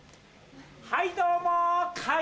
はいどうも！